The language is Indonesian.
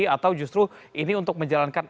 atau justru ini untuk menjalankan